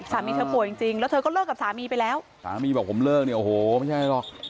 สามีเธอป่วยจริงจริงแล้วเธอก็เลิกกับสามีไปแล้วสามีบอกผมเลิกเนี่ยโอ้โหไม่ใช่หรอก